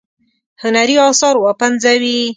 هنري آثار وپنځوي.